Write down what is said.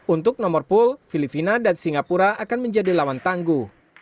untuk nomor pool filipina dan singapura akan menjadi lawan tangguh